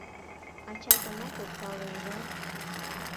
Ачатымат от пале, ужат?